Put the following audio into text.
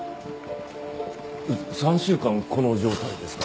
３週間この状態ですか？